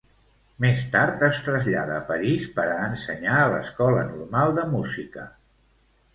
Més tard es trasllada a París per a ensenyar a l'Escola Normal de Música.